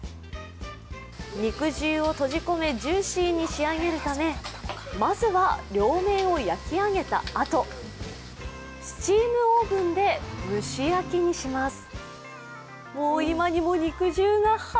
肉汁を閉じ込め、ジューシーに仕上げるためまずは両面を焼き上げたあとスチームオーブンで蒸し焼きにします。